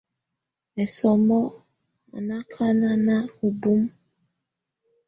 Ɛsɔmɔ á ná ákáná ú bumǝ.